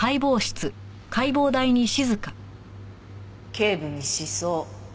頸部に刺創。